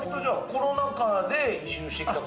コロナ禍で移住してきた形。